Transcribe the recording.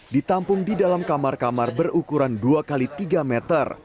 ditampung di dalam kamar kamar berukuran dua x tiga meter